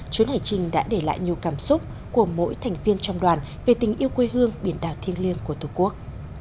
chuyến hải trình đã để lại nhiều cảm xúc của mỗi thành viên trong đoàn về tình yêu quê hương biển đảo thiêng liêng của tổ quốc